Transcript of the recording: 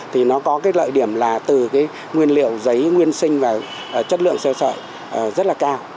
thì nó có cái lợi điểm là từ cái nguyên liệu giấy nguyên sinh và chất lượng xeo sợi rất là cao